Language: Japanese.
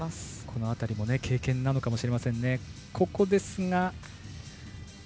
この辺りも経験なのかもしれませんね。